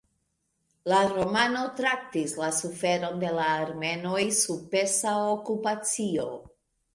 La romano traktis la suferon de la armenoj sub persa okupacio.